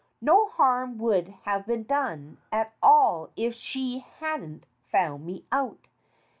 No harm would have been done at all if she hadn't found me out.